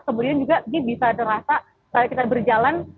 kemudian juga ini bisa terasa saat kita berjalan